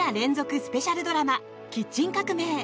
スペシャルドラマ「キッチン革命」。